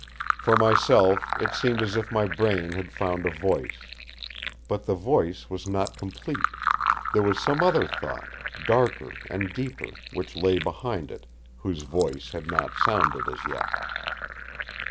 For myself, it seemed as if my brain had found a voice. But the voice was not complete; there was some other thought, darker and deeper, which lay behind it, whose voice had not sounded as yet.